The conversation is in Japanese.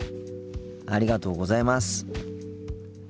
ありがとうございます。